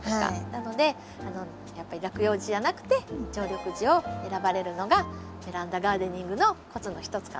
なのでやっぱり落葉樹じゃなくて常緑樹を選ばれるのがベランダガーデニングのコツのひとつかなと思います。